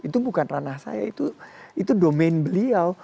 itu bukan ranah saya itu domain beliau